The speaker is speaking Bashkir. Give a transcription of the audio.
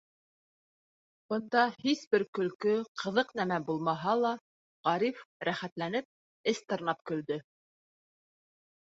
Бында һис бер көлкө, ҡыҙыҡ нәмә булмаһа ла, Ғариф, рәхәтләнеп, эс тырнап көлдө.